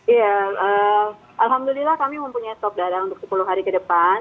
iya alhamdulillah kami mempunyai stok darah untuk sepuluh hari ke depan